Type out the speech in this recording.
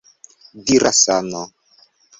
Dira Sano!